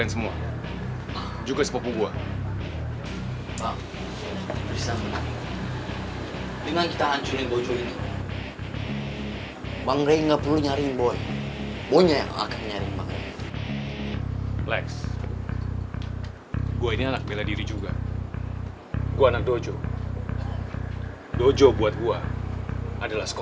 enggak enggak udah balik balik